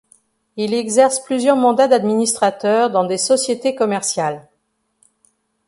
Il exerce plusieurs mandats d'administrateur dans des sociétés commerciales.